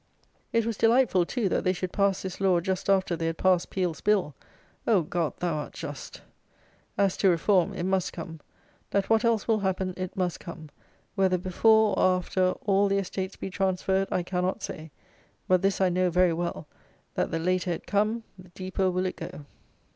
It was delightful, too, that they should pass this law just after they had passed Peel's Bill! Oh, God! thou art just! As to reform, it must come. Let what else will happen, it must come. Whether before, or after, all the estates be transferred, I cannot say. But, this I know very well; that the later it come, the deeper will it go.